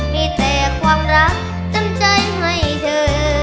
มีแต่ความรักจำใจให้เธอ